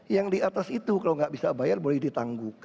yang di atas itu kalau nggak bisa bayar boleh ditangguhkan